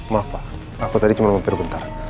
maaf pak aku tadi cuma mampir bentar